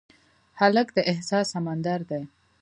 هلک د احساس سمندر دی.